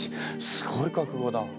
すごい覚悟だ。